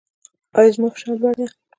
ایا زما فشار لوړ دی؟